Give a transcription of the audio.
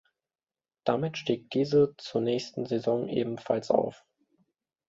Damit stieg diese zur nächsten Saison ebenfalls auf.